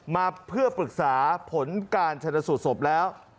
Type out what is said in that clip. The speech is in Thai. มาเพื่อปรึกษาผลการชนสูตรศพแล้ว